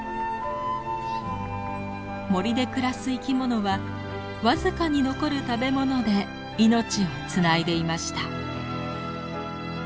森で暮らす生き物は僅かに残る食べ物で命をつないでいました。